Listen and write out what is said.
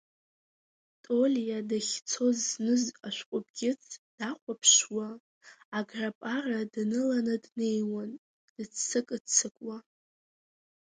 Толиа дахьцоз зныз ашәҟәы бӷьыц дахәаԥшуа, аграпара даныланы днеиуан, дыццакы-ццакуа.